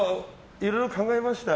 いろいろ考えました。